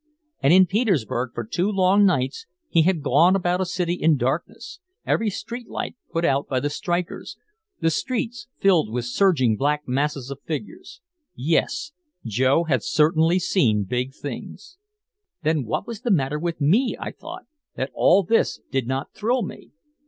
And in Petersburg for two long nights he had gone about a city in darkness, every street light put out by the strikers, the streets filled with surging black masses of figures. Yes, Joe had certainly seen big things. Then what was the matter with me, I thought, that all this did not thrill me?